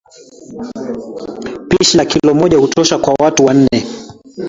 Pishi la kilo moja hutosha kwa watu nne